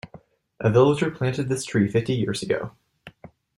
A villager planted this tree fifty years ago.